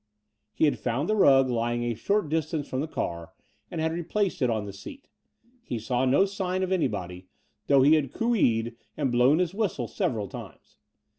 He had found the rug Ijdng a short distance from the car and had re placed it on the seat. He saw no sign of anybody, though he had cooeed and blown his whistle several times.